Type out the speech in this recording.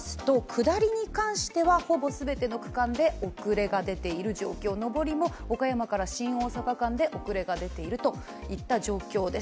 下りに関してはほぼ全ての区間で遅れが出ている状況上りも岡山−新大阪間で遅れが出ているといった状況です。